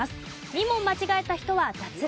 ２問間違えた人は脱落。